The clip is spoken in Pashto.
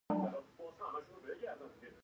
آمو سیند د افغانستان د طبعي سیسټم توازن ساتي.